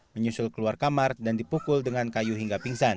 menyusul keluar kamar dan dipukul dengan kayu hingga pingsan